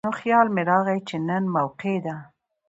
نو خيال مې راغے چې نن موقع ده ـ